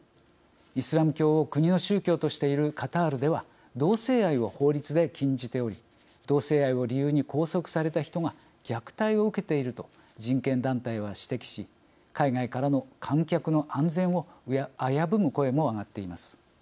イスラム教を国の宗教としているカタールでは同性愛を法律で禁じており同性愛を理由に拘束された人が虐待を受けていると人権団体は指摘し海外からの観客の安全を危ぶむ声も上がっています。